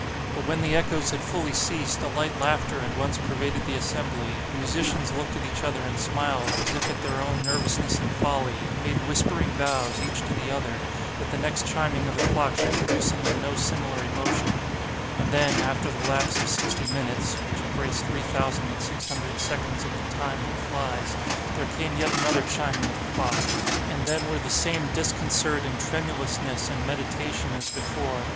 But when the echoes had fully ceased, a light laughter at once pervaded the assembly; the musicians looked at each other and smiled as if at their own nervousness and folly, and made whispering vows, each to the other, that the next chiming of the clock should produce in them no similar emotion; and then, after the lapse of sixty minutes (which embrace three thousand and six hundred seconds of the Time that flies), there came yet another chiming of the clock, and then were the same disconcert and tremulousness and meditation as before.